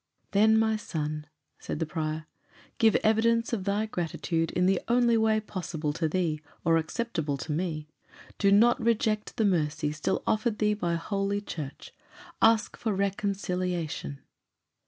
"Then, my son," said the prior, "give evidence of thy gratitude in the only way possible to thee, or acceptable to me. Do not reject the mercy still offered thee by Holy Church. Ask for reconciliation."